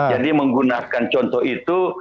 jadi menggunakan contoh itu